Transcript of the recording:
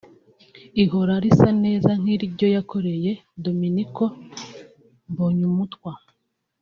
ihôra risa neza nk’iryo yakoreye Dominiko Mbonyumutwa